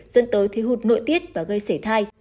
dẫn tới thiếu hụt nội tiết và gây sể thai